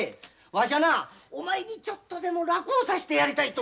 わしはなお前にちょっとでも楽をさしてやりたいと。